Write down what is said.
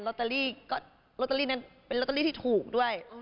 โรตเตอรี่ก็โรตเตอรี่นั้นเป็นโรตเตอรี่ที่ถูกด้วย